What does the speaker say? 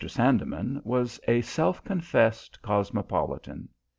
Sandeman was a self confessed cosmopolitan.